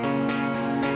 emang belum dateng